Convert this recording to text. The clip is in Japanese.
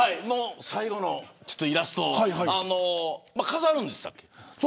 最後のイラスト飾るんでしたっけ。